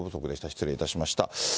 失礼いたしました。